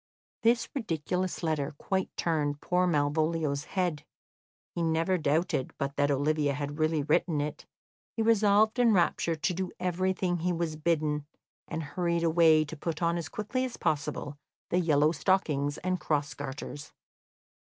This ridiculous letter quite turned poor Malvolio's head. He never doubted but that Olivia had really written it; he resolved in rapture to do everything he was bidden, and hurried away to put on as quickly as possible the yellow stockings and cross garters.